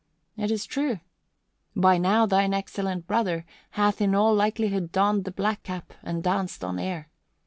"It is true. By now thine excellent brother hath in all likelihood donned the black cap and danced on air.